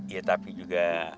iya tapi juga